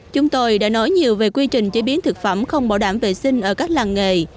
chúng tôi đã nói nhiều về quy trình chế biến thực phẩm không bảo đảm vệ sinh ở các làng nghề